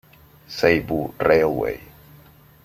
Seibu Railway